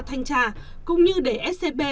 thanh tra cũng như để scb